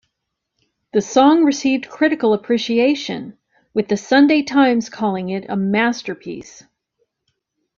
The song received critical appreciation, with "The Sunday Times" calling it a "masterpiece".